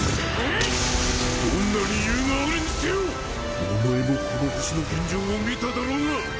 どんな理由があるにせよお前もこの星の現状を見ただろうが！